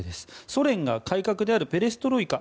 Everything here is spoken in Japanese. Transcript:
ソ連が改革であるペレストロイカ